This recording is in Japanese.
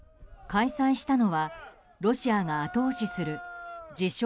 開催したのはロシアが後押しする自称